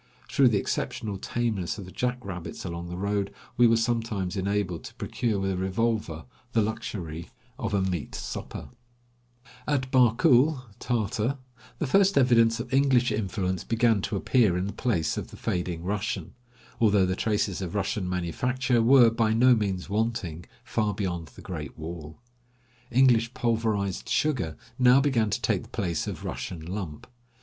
Through the exceptional tameness of the jack rabbits along the road, we were sometimes enabled to procure with a revolver the luxury of a meat supper. A CHINESE PEDDLER FROM BARKUL. At Barkul (Tatar) the first evidence of English influence began to appear in the place of the fading Russian, although the traces of Russian manufacture were by no means wanting far beyond the Great Wall. English pulverized sugar now began to take the place of Russian lump.